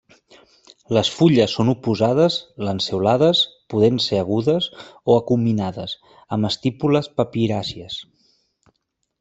Les fulles són oposades, lanceolades, podent ser agudes o acuminades, amb estípules papiràcies.